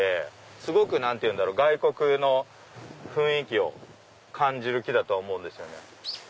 すごく外国の雰囲気を感じる木だと思うんですよね。